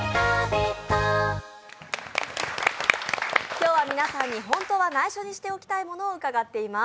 今日は皆さんに本当は内緒にしておきたいものを伺っています。